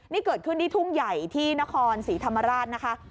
นี่เกิดขึ้นที่ทุ่งใหญ่ที่นครศรีธรรมราชนะคะ